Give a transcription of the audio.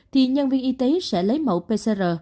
thì nhân viên y tế sẽ lấy mẫu pcr